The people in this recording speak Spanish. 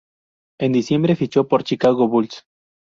En diciembre fichó por Chicago Bulls.